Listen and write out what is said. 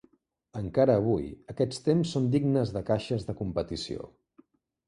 Encara avui, aquests temps són dignes de caixes de competició.